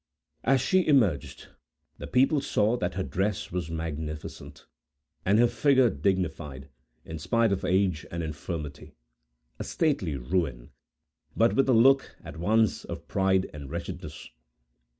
As she emerged, the people saw that her dress was magnificent, and her figure dignified, in spite of age and infirmity,—a stately ruin, but with a look, at once, of pride and wretchedness.